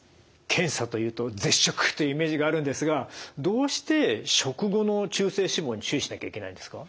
検査というと絶食というイメージがあるんですがどうして食後の中性脂肪に注意しなきゃいけないんですか？